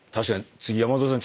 次山添さん